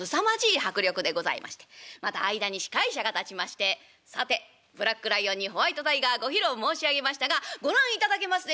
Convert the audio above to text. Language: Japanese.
また間に司会者が立ちまして「さてブラックライオンにホワイトタイガーご披露申し上げましたがご覧いただけますでしょうか